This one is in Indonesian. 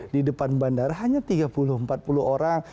di depan bandara hanya tiga puluh empat puluh orang